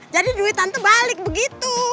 jadi duit tante balik begitu